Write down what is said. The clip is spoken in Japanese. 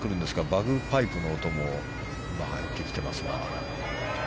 バグパイプの音も入ってきています。